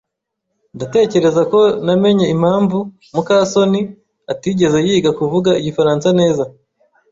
Ndatekereza ko namenye impamvu muka soni atigeze yiga kuvuga igifaransa neza.